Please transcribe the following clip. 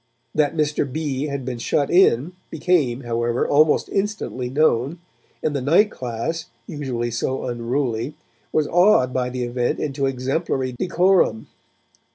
That Mr. B. had been shut in became, however, almost instantly known, and the night class, usually so unruly, was awed by the event into exemplary decorum.